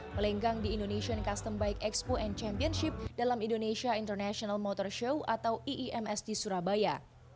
melenggang di indonesian custom bike expo and championship dalam indonesia international motor show atau iims di surabaya